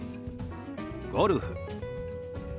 「ゴルフ」。